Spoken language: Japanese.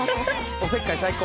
おせっかい最高。